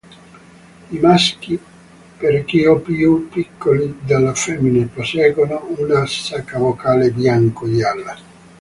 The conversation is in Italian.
I maschi, parecchio più piccoli delle femmine, posseggono una sacca vocale bianco-gialla.